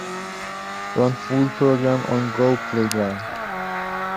Run full program on Go Playground!